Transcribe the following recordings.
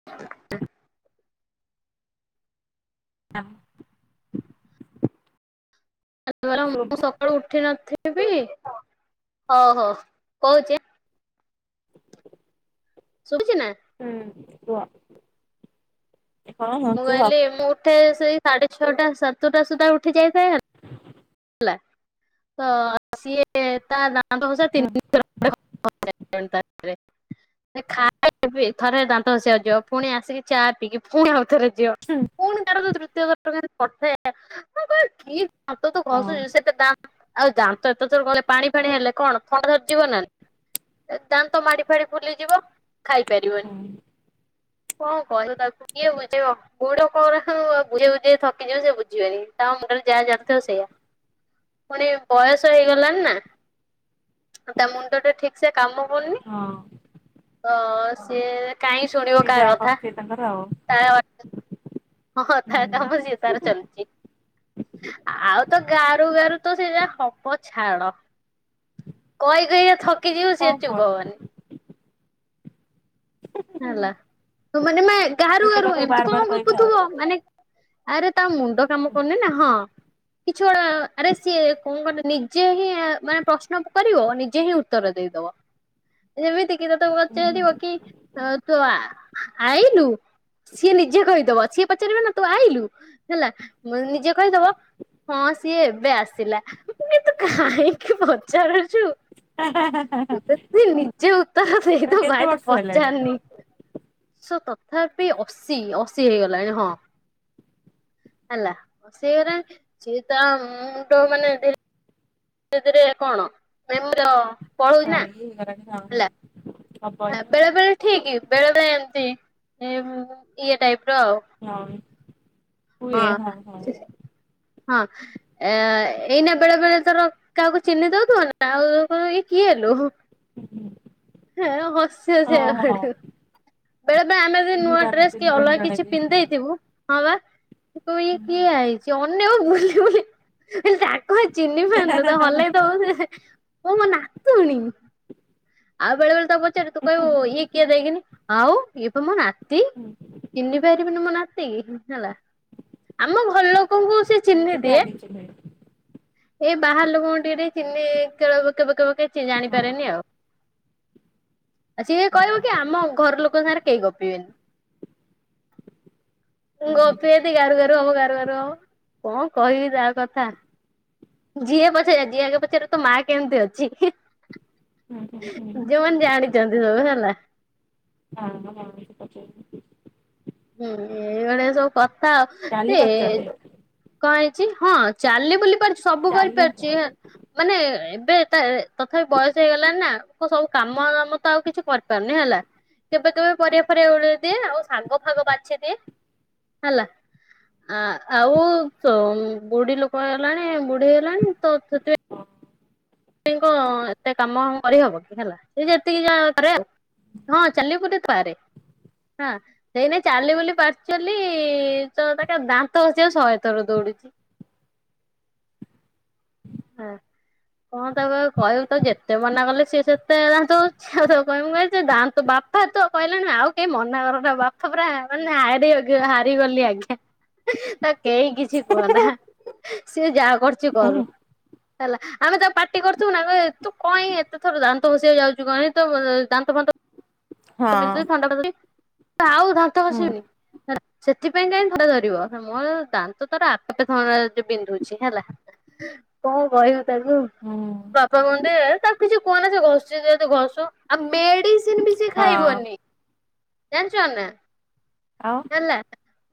[inaudible] ଆମ୍ ଦୁଆର ମୁଁ ସକାଳୁ ଉଠି ନଥିବି ହଉ ହୋ ଯା ଶୁଭୁଛି ନା? ହୁଁ କୁହ? ମୁଁ କହିଲି ମୁଁ ଉଠେ ସେଇ ସାଢେ ଛଅଟା ସାତଟା ସୁଦ୍ଧା ଉଠି ଯାଇଥାଏ ହେ ତ ସିଏ ତା ନାଁ ତ ଦାନ୍ତଘଷା ହଁ ତିନିଥର ହେଲା। [inaudible] ଖାଇବି ଥରେ ଦାନ୍ତ ଘଷିଆକୁ ଯିବ ପୁଣି ଆସିକି ଚା ପିଇକି ପୁଣି ଆଉ ଥରେ ଯିବ। ହୁଁ। [unintelligible] ଆଉ ଦାନ୍ତ ତ ଏତେଥର ଗଲେ ପାଣି ଫାଣି ହେଲେ କଣ ଥଣ୍ଡା ଧରି ଯିବ ନା? ଦାନ୍ତ ମାଡି ଫାଡି ଫୁଲିଯିବ ଖାଇପାରିବନି। ହଁ କଣ କହିବ ତାକୁ କିଏ ବୁଝେଇବ? ପୁଅ ଲୋକଗୁରାଙ୍କୁ କଣ ଆଉ ବୁଝେ ବୁଝେଇ ଥକିଯିବ ସେ ବୁଝିବେନି ତା ମୁଣ୍ଡରେ ଯାହା ଚାଲିଥିବ ସେୟା। ପୁଣି ବୟସ ହେଇଗଲାଣି ନା ତା ମୁଣ୍ଡ ଟା ଠିକ ସେ କାମ କରୁନି। ହଁ। ହଁ ସିଏ କାହିଁ ଶୁଣିବ ସେ କାହା ଯାହା କଥା। କରିଥିବେ ତାଙ୍କର ଆଉ ତା ହଁ ତା କାମ ସିଏ ତାର ଚାଲିଛି ଆଉ ତ ଗାରୁ ଗାରୁ ତ ସେଇଟା ହବ ଛାଡ଼। କହି କହିକା ଥକିଯିବ କଣ ସିଏ ଚୁପ କୁହନ୍ତୁ ହବନି। ହେଲା ତ ମାନେ ଗାରୁ ଗୋଟେ ଗାରୁ କଥାକୁ ବାର ଏମିତି ବାର କଣ କହିବେ ଆଉ ଗପୁଥିବ। ମାନେ ଆରେ ତା ମୁଣ୍ଡ କାମ କରୁନି ନା ହଁ। କିଛି ଗୁଟା ଆରେ ସିଏ କଣ କରେ ନିଜେ ହିଁ ମାନେ ପ୍ରଶ୍ନ କରିବ ନିଜେ ହିଁ ଉତ୍ତର ଦେଇଦବ। ଯେମିତିକି ତତେ ପଚାରିବ କି ତୁ ଆଇଲୁ? ସିଏ ନିଜେ କହିଦବ ସିଏ ପଚାରିବ ନା ତୁ ଆଇଲୁ ହେଲା ନିଜେ କହିଦବ ହଁ ସିଏ ଏବେ ଆସିଲା ମୁଁ କହିଲି ତୁ କାହିଁକି ପଚାରୁ ଛୁ ତୁ ତ ନିଜେ ଉତ୍ତର ଦେଇଦଉ କେତେ ଭାଇ ବର୍ଷ ହେଲାଣି ପଚାରେନି। ତଥାପି ସୋ ଅଶୀ ଅଶୀ ହେଇଗଲାଣି ହଁ। ହେଲା ଅଶି ହେଇଗଲାଣି ସିଏ ତା ମୋ ମୁଣ୍ଡ ମାନେ ଏତିରେ କଣ ନାଇଁ ମୋର ହଁ ଇଏ ହେଇଗଲାଣି ହଁ ହଁ। ହବ ହଁ ଏଇ ବେଳେବେଳେ ଠିକ ବେଳେବେଳେ ଏମିତି ଇଏ ଟାଇପର ଆଉ ହଁ। ହୁଏ ହଁ ହଁ [inaudible] ହଁ। ଏ ଏଇନା ବେଳେ ବେଳେ ତୋର କାହାକୁ ଚିହ୍ନି ଦଉଥିବ ନା ଆଉ କ ଇଏ କିଏ ଲୋ। ହୁଁ ହୁଁ। ହେ ହସି ହସି କା ଗଡେଇବ। ବେଳେ ବଳେ ଆମେ ବି ଚିହ୍ନି ନୂଆ ଡ୍ରେସ ପାରନ୍ତିନି କି ଜଣେ ଅଲଗା ଜଣେ କିଛି ବି ପିନ୍ଧ ଦେଇଥିବୁ ହଁ ବା ସେ କହିବ ଇଏ କିଏ ଆଇଛି ଅନେଇବ ବୁଲି ବୁଲି ଆ କଣ ଚିହ୍ନି ପାରୁନୁ ତ ହଲେଇ ଦବ ସେ [inaudible] ମୋ ନାତୁଣି। ଆଉ ବେଳେ ବେଳେ ତ ପଚାରି ତୁ କହିବୁ ଇଏ କିଏ ଦେଖେନି ଆଉ ଇଏ ତ ମୋ ନାତି। ହୁଁ। ଚିହ୍ନି ପାରିବିନି ମୋ ନାତିକି ହେଲା। ଆମ ଘର ଲୋକଙ୍କୁ ସେ ଚିହ୍ନି ଟିକେ ଦିଏ। ଆଗେଇ ଚାଲିବେ ଏଇ ବାହାର ଲୋକଙ୍କୁ ଟିକେ ଟିକେ ଚିହ୍ନି କେଳବୁ କେବେ କେବେ କିଛି ହଁ ଜାଣିପାରେନି ଆଉ। ଆ ସିଏ ହଁ କହିବ କି ଆମ ଘର ଲୋକଙ୍କ ସାଙ୍ଗରେ କେହି ଗପିବେନି। ମୁ ଗପି ଯଦି ଗାରୁ ଗାରୁ ହବ ଗାରୁ ଗାରୁ ହବ କଣ କହିବି ତା କଥା। ଯିଏ ପଚାରିବା ଯି ଆଗେ ପଚାରିବ ତୋ ମା କେମିତି ଅଛି? ଯୋଉମାନେ ଜାଣିଛନ୍ତି ସବୁ ହେଲା। ହଁ ହଁ ସେ ପଚାରିବେ। ହୁଁ ଏଇଭଳିଆ ସବୁ କଥା ଆଉ ଚାଲି ସେ ପାରୁଛନ୍ତି କଂ ହେଇଛି ହଁ ଚାଲି ବୁଲି ପାରୁଛି ସବୁ କରିପାରୁଛି ଚାଲନ୍ତୁନି। ଏଁ। ମାନେ ଏବେ ତା ତଥାପି ବୟସ ହେଇଗଲାଣି ନା ତ ସବୁ କାମ ଧାମ ତ ଆଉ କିଛି କରିପାରୁନି ହେଲା। କେବେ କେବେ ପରିବା ଫରିବା ଉଳେଇ ଦିଏ ଆଉ ସାଗ ଫାଗ ବାଛି ଦିଏ। ହେଲା ଆ ଆଉ ସୋ ବୁଢୀ ଲୋକ ହେଲାଣି ବୁଢ ଢି ହେଲାଣି ତ ସେଥିପାଇଁ ସେ ଙ୍କ ଏତେ କାମ ହମ୍ କରିହବ କି ହେଲା ସେ ଯେତିକି ଯାହା କରେ ଆଉ। ହଁ ଚାଲି ବୁଲି ପାରେ ହଁ। ସେଇନାଗି ଚାଲି ବୁଲି ପାରୁଛି ବୋଲି ତ ସେ କା ଦାନ୍ତ ଘସିବାକୁ ଶହେଥର ଦୌଡୁଛି! ହୁଁ! କଣ ତାକୁ ଆଉ କହିବୁ ତାକୁ ଯେତେ ମନା କଲେ ସିଏ ସେତେ ଦାନ୍ତ ଘସୁଛି ଆଉ [unintelligible] ହା ତୁ କହିଲାଣି ଆଉ କେହି ମନା କରନ ବାପା ପୁରା ମାନେ ହାରିଗ ହାରିଗଲି ଆଜ୍ଞା! ତାକୁ କେହି କିଛି କୁହନା ସିଏ ଯାହା କରୁଛି କରୁ! ହୁଁ ହେଲା ଆମେ ତାକୁ ପାଟି କରିଥିବୁ ନା କହବ ତୁ କଇଁ ଏତେ ଥର ଦାନ୍ତ ଖସିବାକୁ ଯାଉଛୁ କହନି ତୋ ଦାନ୍ତ ଫାନ୍ତ ହଁ ବିନ୍ଧୁଚି ଥଣ୍ଡା ଧରୁଚି ତ ଆଉ ଦାନ୍ତ ହୁଁ ଖଷିବିନି! ହେଲା ସେଥିପାଇଁ କାଇଁ ଥଣ୍ତା ଧରିବ ମୋର ଦାନ୍ତ ତାର ଆପେ ଆପେ ଥଣ୍ଡା ଯୋ ବିନ୍ଧୁଛି ହେଲା! କଣ କହିବୁ ତାକୁ ହୁଁ ବାପା କୁହନ୍ତି ଏ ତାକୁ କିଛି କୁହନା ସେ ଘସୂଚି ଯେହେତୁ ଘସୁ ଆଉ ମେଡିସିନ ବି ସେ ହଁ ଖାଇବନି! ଜାଣିଛନ୍ ନା! ଆଉ। ହେଲା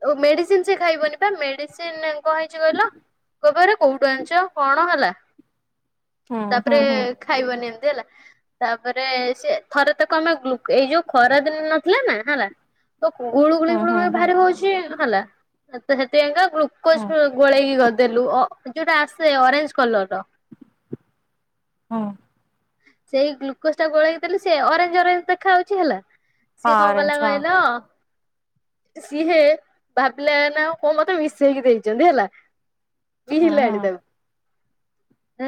ଓ ମେଡିସିନ ସେ ଖାଇବନି ବା ମେଡିସିନ କଣ ହେଇଛି କହିଲ କହିବ ଏରା କୋଉଠୁ ଆଣିଛ କଣ ହେଲା! ହୁଁ ତାପରେ ହୁଁ ହୁଁ ଖାଇବନି ଏମତି ହେଲା ତାପରେ ସେ ଥରେ ତାକୁ ଆମେ ଗ୍ଲୁକ ଏଇ ଯୋଉ ଖରା ଦିନ ନଥିଲା ନା ହେଲା, ଲ ତ ଗୁଳୁ ଗୁଳି ହୁଁ ଫୁଳୁ ହୁଁ ଗୁଳି ହୁଁ ଭାରି ହଉଛି ଛି ହେଲା ହେଥି ହେଥିପାଇଁ କା ହୁଁ ହୁଁ ଗ୍ଲୁକୋଜ ଫ୍ଲୁ ଗୋଳେଇକି ଦେଲୁ ଅ ଯୋଉଟା ଆସେ ଅରେଞ୍ଜ କଲର ର! ହଁ! ସେଇ ଗ୍ଲୁକୋଜ୍ ଟା ଗୋଳେଇ କି ଦେଲି ସେ ଅରେଞ୍ଜ ଅରେଞ୍ଜ ଦେଖା ଯାଉଛି ହେଲା! ସିଏ କଣ କଲା ଅରେଞ୍ଜ କହିଲ ସିଏ ଭାବିଲା ନା ଆଉ କଣ ମତେ ମିଶେଇକି ଦେଇଛନ୍ତି ହେଲା! ହଁ [unintelligible] ହୁଁ ହୁଁ ତାକୁ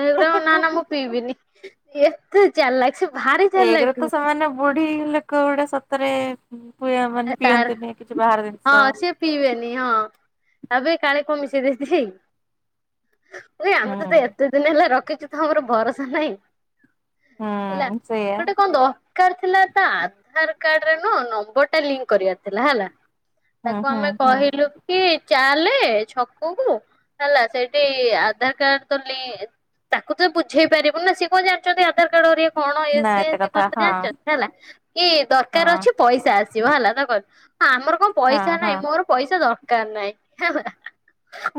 ଏଉରା ନା ନା ମୁଁ ପିଇବିନି ଏତେ ଚାଲାଖ୍ ସେ! ଭାରି ଏକରେ ଚାଲାକ୍ ତ ସେମାନେ ବୁଢୀ ଲୋକ ଗୁଡା ସତରେ! [unintelligible] ମାନେ ତାର ପିଅନ୍ତୁନି କିଛି ବାହାର ହଁ ଜିନିଷ! ସିଏ ପିଇବେନି ହଁ, ତାବେ କାଳେ କଣ ମିଶେଇ ଦେଇଥିବେ କି ନାଇ ଆମେ ତତେ ହୁଁ ଏତେ ଦିନି ହେଲା ରଖିଛୁ ତ ଆମର ଭରସା ନାହିଁ! ହେଲା, ହୁଁ ସେଇଆ ଗୋଟେ କଣ ଦ ରକାର ଥିଲା ତା ଆଧାର କାର୍ଡରେ ନୁହଁ, ନମ୍ବର ଟା ଲିଙ୍କ୍ କରିବାର ଥିଲା ହେଲା! ହୁଁ ତାକୁ ହୁଁ ଆମେ ହୁଁ କହିଲୁ କି ଚାଲେ ଛକ କୁ ହେଲା ସେଇଠି ଆଧାର କାର୍ଡ ତ ନେଇ ତାକୁ ତ ବୁଝେଇ ପାରିବୁ ନା ସେ ଆଉ କଣ ଜାଣିଛନ୍ତି ଆଧାର କାର୍ଡ ଘରିକା କଣ ଏ ନା ସେ ସେ କଥା କଣ ଏତେ ହଁ ଜାଣିଛନ୍ତି ହେଲା କି ଦରକାର ହଁ ଅଛି ପଇସା ଆସିବ ହେଲା, ତା କହିବୁ ଆମର କଣ ପଇସା ହଁ ହଁ ନାହିଁ ମୋର ପଇସା ଦରକାର ନାହିଁ ହେଲା,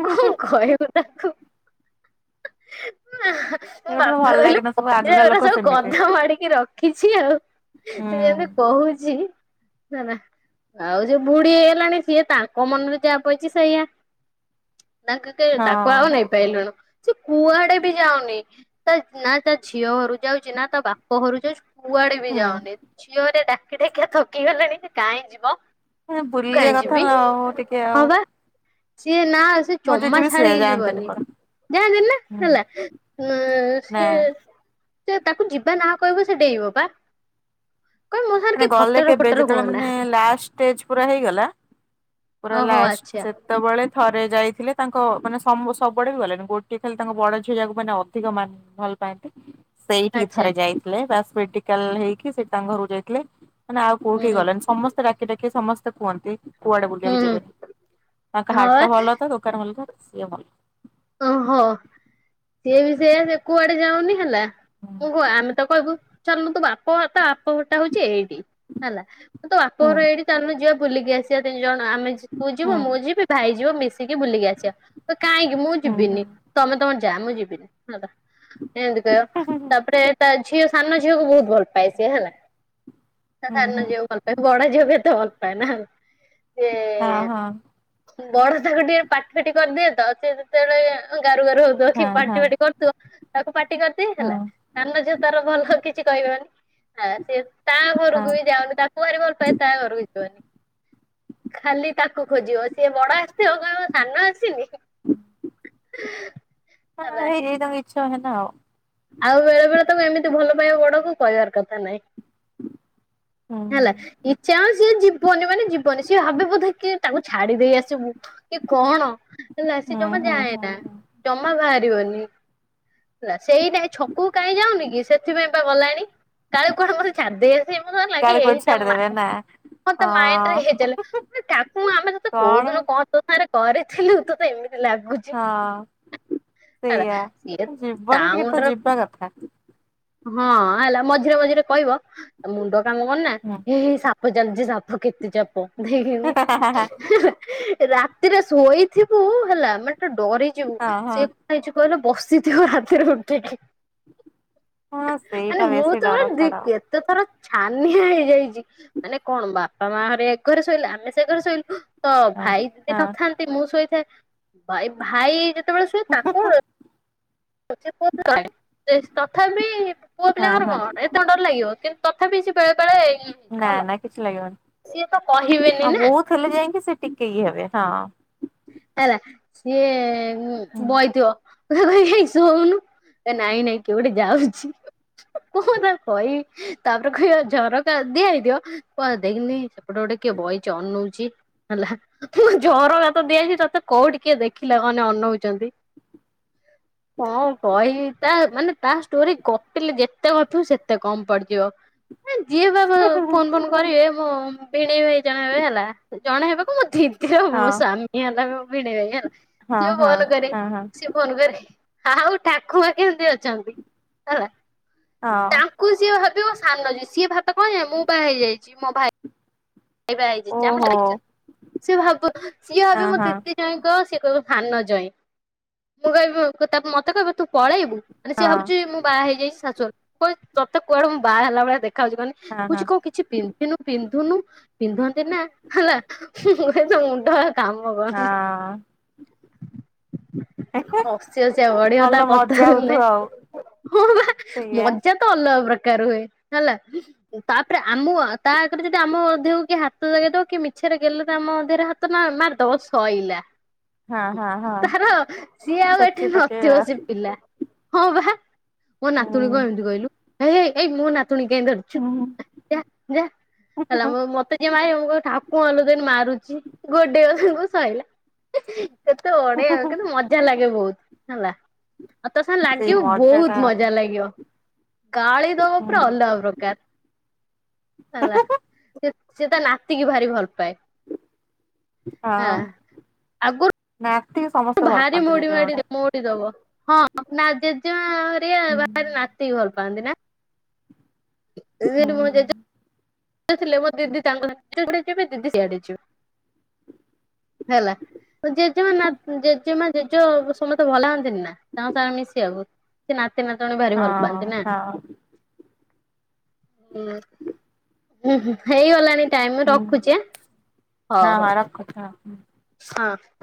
କଣ କହିବୁ! [unintelligible] ତାକୁ ନା! ମୋ ଏଗୁଡା ସବୁ ବାପା ଭଲ କହିଲେ ଲାଗେନା ସବୁ ପଇସା ଆଗକା ଗୁରା ଲୋକ ସବୁ ସେମିତି ଗଧ ମାଡିକି ରଖ! କିଛି ଆଉ ସେ ହୁଁ ଯେମିତି କହୁଛି! ହେ ନା ଆଉ ଯୋଉ ବୁଢୀ ହେଇ ଗଲାଣି ସିଏ ତାଙ୍କ ମନରେ ଯାହା ପଇଚି ସେଇଆ! ତାଙ୍କୁ କେ, ହଁ ତାକୁ ଆଉ ନେଇ ପାଇଲୁନି ସେ କୁଆଡେ ବି ଯାଉନି! ତା, ନା ତା ଝିଅ ଘରକୁ ଯାଉଛି ନା ତା ବାପ ଘରକୁ ଯାଉଛି କୁଆଡେ ବି ହୁଁ ଯାଉନି ଝିଅ ଘରିକା ଡାକି ଡାକି କା ଥକିଗଲେଣି ସେ କାଇଁ ଯିବ! ବୁଲିବା କାହିଁ କଥା ଯିବି ନା ଆଉ ଟିକେ ହଁ ଆଉ! ବା ସିଏ ନା, ସେ ମୋ ଜେଜେ ଚମା ବି ସେୟା ଛାଡିକି ଯାଆନ୍ତିନି ଯିବନି! କୁଆଡେ ଯାହା ବି ହେଲା, ହୁଁ। ହେଲା ନା ନା ସେ ସେ ତାକୁ ଯିବା ନା କହିବ ସେ ଡେଇବ ବା କହିବ ମୋ ସାଙ୍ଗରେ ମାନେ କିଏ ଗଲେ ଫଟର କେବେ ଫଟର ହୁଅନି! ଯେତେବେଳେ ମାନେ ଲାଷ୍ଟ ଷ୍ଟେଜ ପୁରା ହେଇଗଲା ପୁରା ଓହୋ ଲାଷ୍ଟ ସେ ଆଚ୍ଛା ସେତେବେଳେ ଥରେ ଯାଇଥିଲେ ତାଙ୍କ ମାନେ ସମୁ ସବୁବେଳେ ବି ଗଲେ ନି ଗୋଟିଏ ଖାଲି ତାଙ୍କ ବଡ ଝିଅ ଯାକୁ ମାନେ ଅଧିକ ମାନେ! ଭଲ ପାଆନ୍ତି। ସେଇଠିକ ଆଚ୍ଛା ଥରେ ଯାଇଥିଲେ ବାସ ମେଡିକାଲ ହେଇକି ସେଇଠି ତାଙ୍କ ଘରକୁ ଯାଇଥିଲେ। ନା ଆଉ କୋଉଠି ହୁଁ ଗଲଣି ସମସ୍ତେଡାକି ଡାକି ସମସ୍ତେ କୁହନ୍ତି। କୁଆଡେ ହୁଁ ବୁଲିବାକୁ ହୁଁ ଯିବେନି ତାଙ୍କ ହାଟ ହଁ ଟା ଭଲ ତ ଦୋକାନ ଭଲ ତ ସିଏ ଭଲ। ଓହୋ ସିଏ ବି ସେଆ ସେ କୁଆଡେ ଯାଉନି ହେଲା। ହୁଁ ମୁଁ କହ ଆମେ ତ କହିବୁ ଚାଲନୁ ତୁ ବାପ ହ ତ ବାପ ହଟା ହଉଛି ଏଇଠି ହେଲା। ତୁ ବାପ ହୁଁ ଘର ଏଇଠି ଚାଲୁନୁ ଯିବା ବୁଲିକି ଆସିବା ତିନି ଜଣ ଆମେ ତୁ ହୁଁ ଯିବୁ ମୁଁ ଯିବି। ଭାଇ ଯିବ ମିଶିକି ବୁଲିକି ଆସିବା ତ କାହିଁକି ମୁଁ ହୁଁ ହୁଁ। ଯିବିନି ତମେ ତମର ଯା ମୁଁ ଯିବିନି ହ। ଏମିତି କହିବ ହୁଁ ହୁଁ। ତାପରେ ତା ଝିଅ ସାନ ଝିଅକୁ ବହୁତ ଭଲ ପାଏ। ପାଏ ସେ ହେଲା ହୁଁ ସାଧାରଣ ହୁଁ ଝିଅ ଭଲ ପାଏ ବଡ ଝିଅ ବି ଏତ ଭଲ ପାଏ ନା। ହଁ ହଁ। ବଡ ତାକୁ ଟିକେ ପାଟି ଫାଟି କରିଦିଏ ତ ସଏ ଯେତେବେଳେ ଗାରୁଗାରୁ ହଉଥ କି ହଁ ପାଟି ହଁ ଫାଟି କରି। ତୁ ତାକୁ ପାଟି କରିଚି ହଁ ହେଲା କାନ ଝିଅ ତାର ଭଲ କିଛି କହିବନି ହ ସିଏ। ତା ହଁ ଘରକୁ ବି ଯାଉନି ତାକୁ ଭାରି ଭଲ ପାଏ ତା ଘରକୁ ଯିବନି। ଖାଲି ତାକୁ ଖୋଜିବ ସିଏ ବଡ ଆସଥିବ କହିବ ସାନ ଆସିନି। ହଁ ହେଲା। ଏଇ ଏଇ ତମ ଇଛୁ ନା ଆଉ। ଆଉ ବେଳେ ବେଳେ ତମେ ଏମିତି ଭଲ ପାଇବ ବଡକୁ କହିବାର କଥା ନାହିଁ। ହୁଁ ହେଲା, ଇଛା ହଉଛି ଯିବନି ମାନେ ଯିବନି ସିଏ ଭାବେ ବୋଧେ କିଏ ତାକୁ ଛାଡି ଦେଇ ଆସିବୁ। ଏ କଣ, ହେଲା ସେ ହୁଁ ଜମା ହୁଁ ହୁଁ ଯାଏନା ହୁଁ ଜମା ବାହାରିବନି। ହେଲା ସେଇଟା ଏଇ ଛକକୁ କାଇଁ ଯାଉନି କି ସେଥିପାଇଁ ବା ଗଲାନି କାଳେ କୁଆଡେ ମୋତେ ଛାଡ଼ିଦେଇ ଆସିବେ, ମୁଁ କହିଲି କାଳେ କୋଉଠି ଏଇଟା ଛାଡିଦେବେ ମାଇଁ ନା କଣ ତୋ ମାଇଣ୍ଡରେ ହଁ ହେଇ [unintelligible] ତାକୁ ଆମେ ତତେ କୋଉ ଦିନ କଣ ତୋ ସାଙ୍ଗରେ କରିଥିଲୁ ତତେ ଏମିତି ଲାଗୁଛି। ହଁ ହେଲା ସେଇଆ ସିଏ ତା ଯିବନି ଟିକେ ତ ମୁଣ୍ଡରେ ଯିବା କଥା। ହଁ ହେଲା ମଝିରେ ମଝିରେ କହିବ ତା ମୁଣ୍ଡ କାମ କରୁନି ନା, ହୁଁ ହେ ହେ ସା ସାପ ଚାଲଛି ସାପ କେତେ ଚାପ ଦେଖେନି। ରାତିରେ ଶୋଇଥିବୁ ହେଲା [unintelligible] ଡରିଯିବୁ ହଁ ହଁ ସେ କଣ ହେଇଛୁ କହିଲୁ ବସିଥିବ ରାତିରେ ଉଠିକି। ହଁ ସେଇଟା ମାନ ମୁଁ ବେଶୀ ତ ଡର ମୋର ଦି ଛାଡ କେତେ ଥର ଛାନିଆ ହେଇଯାଇଛି। ମାନେ କଣ ବାପା ମାଆ ହେରିକା ଏ ଘରେ ଶୋଇଲେ ଆମେ ସେ ଘରେ ଶୋଇଲୁ। ତ ହଁ ଭାଇ ଯଦି ହଁ ନଥାନ୍ତି ମୁଁ ଶୋଇଥାଏ ଭାଇ, ଭାଇ ଯେତେବେଳେ ଶୁଏ ତାକୁ [inaudible] ତଥାପି ପୁଅ ହଁ ପିଲାଙ୍କର ହଁ କଣ ଏତେ କଣ ଡର ଲାଗିବ କିନ୍ତୁ ତଥାପି ସେ ବେଳେ ବେଳେ ଇଏ ହେଇଯାଏ ନା ହେଲା। ନା କିଛି ଲାଗିବନି। ସିଏ ତ କହିବେନି ହଁ ନା। ବହୁତ ହେଲେ ଯାଇକି ସେ ଟିକେ ଏ ହେବେ, ହଁ। ହେଲା, ସିଏ ହୁଁ। ବଇଥିବ। ହୋଇ ହେଇ ହେଇ ଶୋଉନୁ, ଏ ନାଇଁ-ନାଇଁ କିଏ ଗୋଟେ ଯାଉଛି। କଣ ତାକୁ କହିବି, ତାପରେ କହିବ ଝରକା ଦିଆ ହେଇଥିବ କହିବ ଦେଇକିନି‌ ସେପ୍ ସେପଟେ କିଏ ଗୋଟେ ବଇଛ ଅନଉଛି ହେଲା [unintelligible] ଝରକା ତ ଦିଆହେଇ ତତେ କୋଉଠିି କିଏ ଦେଖିଲା ମାନେ ଅନଉଛନ୍ତି। କଣ କହିବି ତା, ମାନେ ତା ଷ୍ଟୋରି ଗପିଲେ ଯେତେ ଗପିବୁ ସେତେ କମ୍ ପଡିଯିବ। ଏ ଯିଏ ବାବା ଫୋନ ଫୋନ୍ କରିବେ ମୋ ଭିଣେଇ ଭାଇ ଜଣେ ହେବେ ହେଲା, ଜଣେ ହେବେ କଣ ମୋ ଦିଦି ଆଉ ହଁ ମୋ ସ୍ବାମୀ ହେଲା। ହେଲା ମୋ ଭିଣେଇ ଭାଇ ହେଲା ହଁ ସିଏ ହଁ ଫୋନ୍ କରେ ହଁ ହଁ ସେ ଫୋନ କରିକି ଆ-ଆ ଆଉ ଠାକୁମା କେମତି ଅଛନ୍ତି, ହେଲା। ହଁ। ତାକୁ ସିଏ ଭାବିବ ସାନ ଜଇଁ ସିଏ ଭାତ କଣ ମୁଁ ବାହା ହେଇଯାଇଛି ମୋ ଭାଇ। [inaudible] ବାହା ହେଇଯାଇଛି ଆମ ଓହୋ [unintelligible] ସେ ଭାବୁ ସିଏ ଭାବେ ହଁ ମୋ ହଁ ଦିଦି [unintelligible] ସେ କହିବ ସାନ ଜଇଁ, ମୁଁ କହିବି ତା ମତେ କହିବ ତୁ ପଳେଇବୁ। ଉଁ ମାନେ ସିଏ ହଁ ଭାବୁଛି ମୁଁ ବାହା ହେଇଯାଇଛି ଶାଶୁଘର, [unintelligible] ତତେ କୁଆଡୁ ମୁଁ ବାହା ହେଲା ଭଳିଆ ଦେଖାଯାଉଛି କହନି। ହଁ ହଁ କହୁଛି କଣ କିଛି ପିନ୍ଧିନୁ ପିନ୍ଧୁନୁ। ପିନ୍ଧନ୍ତି ନା ହେଲା, ମୁଁ [unintelligible] ତୋ ମୁଣ୍ଡ ଆଉ କାମ କରୁନି। ହଁ ହ ହସି ହସିକା ଗଡିବ ଭଲ ତା କଥା ମଜା ଶୁଣିଲେ, ହଉଥିବ ଆଉ। ହଁ ପା ସେଇଆ ମଜା ତ ଅଲଗା ପ୍ରକାର ହୁଏ ହେଲା, ତାପରେ ଆମୁ ତା ଆଗରେ ଯଦି ଆମ-ଅ ଦେହକୁ କିଏ ହାତ ଦେଖେଇଦେବ କିଏ ମିଛରେ ଗେଲେରେ ଆମ ଦେହରେ ହାତ ମା ମାରିଦେବ ସଇଲା ହଁ ହୁଁ ହଁ ହଁ ତାର ସିଏ ଆଉ ଏଠି ଛେଚି ନଥିବ ପକେଇବା ସେ ପିଲା। ହଁ ବା ମୋ ନାତୁଣୀକୁ ହୁଁ। କଣ ଏମିତି କହିଲୁ, ହେଇ ଏଇ ଏଇ ମୋ ନା ନାତୁଣିକି କାଇଁ ଧରିଛୁ, ହୁଁ। ଯାଆ ଯାଆ ହେଲା ମୁଁ ମତେ [inaudible] ମୁଁ କହିବି ଠାକୁମା ଦେଖିଲୁ ମାରୁଛି ଗୋଡେଇବ ତାଙ୍କୁ ସଇଲା। କେତେ ବଢିଆ କିନ୍ତୁ ମଜା ଲାଗେ ବହୁତ୍, ହେଲା। ଆଉ ତା ସାଙ୍ଗେ ସେଇ ଲାଗିବୁ ମଜା ବହୁତ୍ ଟା ମଜା ଲାଗିବ। ଗାଳି ଦବ ପୁରା ହୁଁ ଅଲଗା ପ୍ରକାର ହେଲା। [unintelligible] ସେ ତା ନାତିକି ଭାରି ଭଲ ପାଏ ହଁ ଆଗରୁ ନାତି ସମୟ ଭାରି ମୋଡି ମାଡି ମୋଡି ଦବ ହଁ। ଆପ ଆଚାର୍ଯ୍ୟରେ ହୁଁ ବାହାରେ ନାତିକି ଭଲ ପାଆନ୍ତି ନା। [unintelligible] ହୁଁ ଜେଜ ଥିଲେ ମୋ ଦିଦି ତାଙ୍କଡ ଯିବ ଦିଦି ସିଆଡେ ଯିବେ ହେଲା ଜେଜେମା ନା ଜେଜେମା ଜେଜେ ସମସ୍ତେ ଭଲ ହୁନ୍ତିନି ନା ତାଙ୍କ ସଙ୍ଗ ମିଶିଆକୁ ସେ ନାତି ନାତୁଣୀ ଭାରି ଭଲ ହଁ ପାଆନ୍ତି ନା ହଁ ହଁ। ହେଇଗଲାଣି ଟାଇମ ମୁଁ ହୁଁ ରଖୁଛି ଆଁ ହଁ ହଉ ହଉ। ହଁ ରଖୁଛି ହଁ। ହଁ।